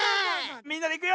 みんなでいくよ。